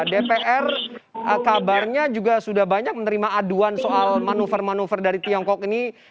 dpr kabarnya juga sudah banyak menerima aduan soal manuver manuver dari tiongkok ini